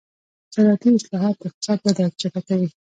زراعتي اصلاحات د اقتصاد وده چټکوي.